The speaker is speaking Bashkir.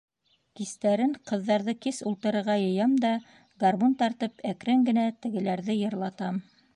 Кистәрен ҡыҙҙарҙы кис ултырырға йыям да, гармун тартып, әкрен генә тегеләрҙе йырлатам.